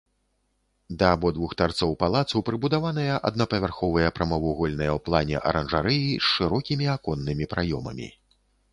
Да абодвух тарцоў палацу прыбудаваныя аднапавярховыя прамавугольныя ў плане аранжарэі з шырокімі аконнымі праёмамі.